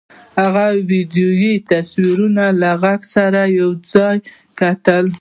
هغه ویډیويي تصویرونه له غږ سره یو ځای وکتل